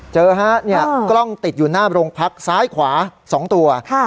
ฮะเนี่ยกล้องติดอยู่หน้าโรงพักซ้ายขวา๒ตัว